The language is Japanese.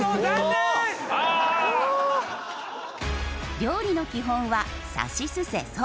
料理の基本は「さしすせそ」。